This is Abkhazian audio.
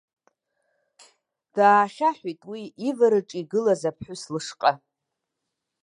Даахьаҳәит уи ивараҿы игылаз аԥҳәыс лышҟа.